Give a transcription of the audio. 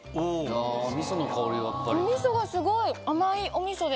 おみそがすごい甘いおみそで。